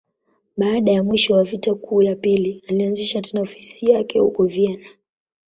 Baada ya mwisho wa Vita Kuu ya Pili, alianzisha tena ofisi yake huko Vienna.